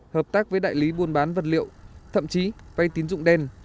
hợp tác với đại lý buôn bán vật liệu thậm chí vay tín dụng đen